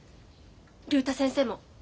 竜太先生も。